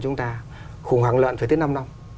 chúng ta khủng hoảng lợn phải tới năm năm